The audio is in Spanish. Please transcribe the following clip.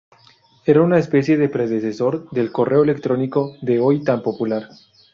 Era una especie de predecesor del correo electrónico de hoy tan popular.